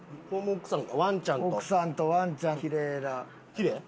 奥さんとワンちゃんキレイな。